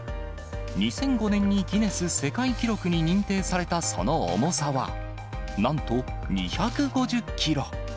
２００５年にギネス世界記録に認定されたその重さは、なんと２５０キロ。